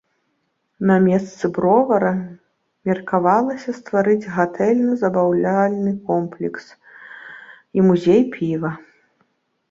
На месцы бровара меркавалася стварыць гатэльна-забаўляльны комплекс і музей піва.